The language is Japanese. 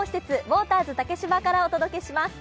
ウォーターズ竹芝からお送りします。